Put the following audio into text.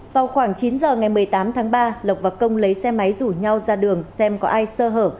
vào khoảng chín giờ ngày một mươi tám tháng ba lộc và công lấy xe máy rủ nhau ra đường xem có ai sơ hở